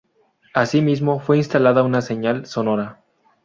Asimismo fue instalada una señal sonora.